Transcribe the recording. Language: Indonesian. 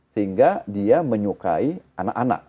sehingga dia menyukai anak anak